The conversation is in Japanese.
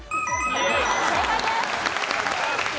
正解です。